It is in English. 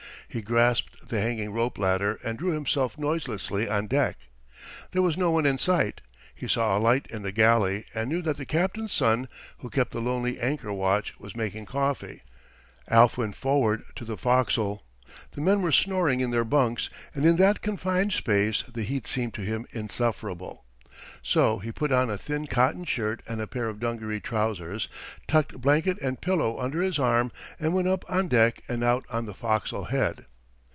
He grasped the hanging rope ladder and drew himself noiselessly on deck. There was no one in sight. He saw a light in the galley, and knew that the captain's son, who kept the lonely anchor watch, was making coffee. Alf went forward to the forecastle. The men were snoring in their bunks, and in that confined space the heat seemed to him insufferable. So he put on a thin cotton shirt and a pair of dungaree trousers, tucked blanket and pillow under his arm, and went up on deck and out on the forecastle head.